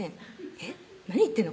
えっ何言ってんの？